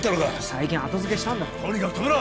最近後付けしたんだろとにかく止めろ！